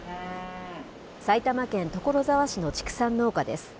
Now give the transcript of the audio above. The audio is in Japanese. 埼玉県所沢市の畜産農家です。